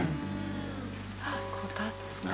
あっこたつか。